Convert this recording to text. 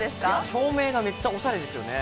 照明がめっちゃオシャレですよね。